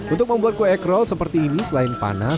untuk membuat kue croll seperti ini selain panas